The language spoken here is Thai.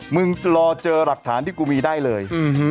มึงรอเจอหลักฐานที่กูมีได้เลย